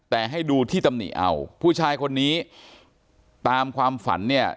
แต่ให้ดูที่ตำหนิเอาผู้ชายคนนี้ตามความฝันเนี่ย